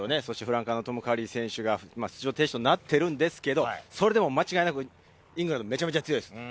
フランカーのトム・カリー選手も出場停止となっているんですけれど、それでも間違いなくイングランドは、めちゃくちゃ強いです。